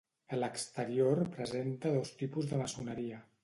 A l'exterior presenta dos tipus de maçoneria.